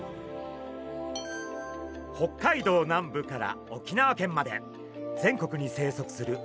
北海道南部から沖縄県まで全国に生息するアオリイカ。